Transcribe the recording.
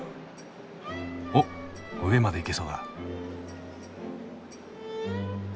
お上まで行けそうだ。